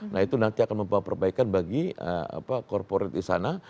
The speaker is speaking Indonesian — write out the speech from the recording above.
nah itu nanti akan membawa perbaikan bagi korporat di sana